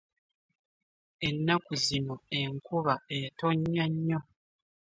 Ennaku zino enkuba etonnya nnyo.